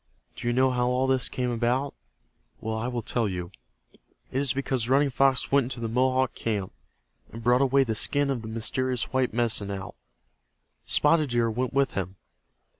Do you know how all this came about? Well, I will tell you. It is because Running Fox went into the Mohawk camp, and brought away the skin of the mysterious white Medicine Owl. Spotted Deer went with him.